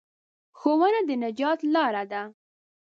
ښوونه د نجات لاره ده.